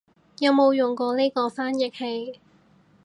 有冇用過呢個翻譯器